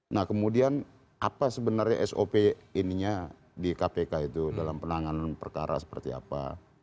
nah kemudian apa sebenarnya sop ininya di kpk itu dalam penanganan perkara seperti apa